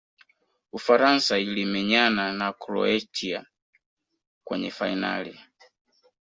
ufaransa ilimenyana na croatia kwenye fainali